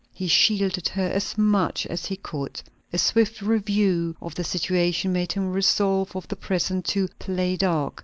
He shielded her as much as he could. A swift review of the situation made him resolve for the present to "play dark."